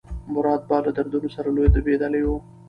مراد به له دردونو سره لوبېدلی و.